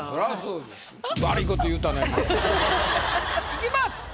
いきます。